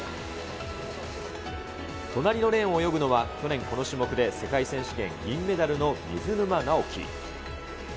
隣のレーンを泳ぐのは、去年この種目で世界選手権銀メダルの水沼尚輝。